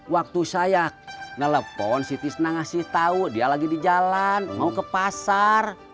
waktu saya ngelepon si tisna ngasih tau dia lagi di jalan mau ke pasar